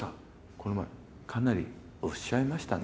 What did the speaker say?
この前かなりおっしゃいましたね」